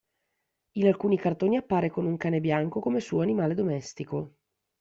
In alcuni cartoni appare con un cane bianco come suo animale domestico.